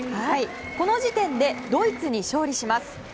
この時点でドイツに勝利します。